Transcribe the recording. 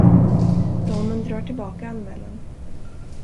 Damen drar tillbaka anmälan.